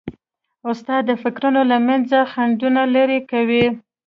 استاد د فکرونو له منځه خنډونه لیري کوي.